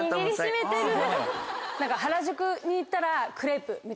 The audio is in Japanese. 原宿に行ったらクレープみたいな。